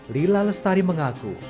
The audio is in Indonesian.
lila lestari mengaku